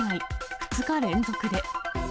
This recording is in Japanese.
２日連続で。